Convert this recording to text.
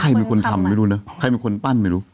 ใครมีคนทำไม่รู้เนอะใครมีคนปั้นไม่รู้